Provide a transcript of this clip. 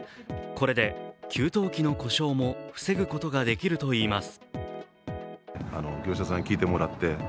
これで給湯器の故障も防ぐことができるといいます。